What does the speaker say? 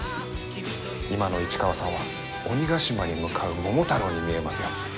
今の市川さんは鬼ヶ島に向かう桃太郎に見えますよ。